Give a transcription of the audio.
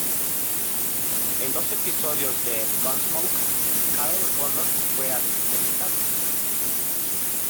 En dos episodios de "Gunsmoke", Carroll O'Connor fue artista invitado.